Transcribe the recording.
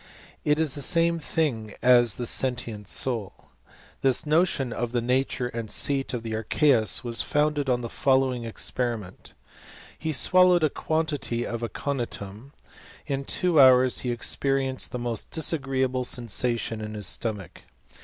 It is the samel thing as the sentient soul. This notion of the natmi^ and seat of the archeus was founded on the foUowinjip experiment: He swallowed a quantity o£ 'aconitumt (henbane). In two hours he experienced the mo^ disagreeable sensation in his stomach.